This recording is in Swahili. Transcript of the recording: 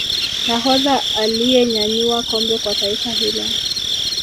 nahodha aliyenyanyua kombe Kwa taifa hilo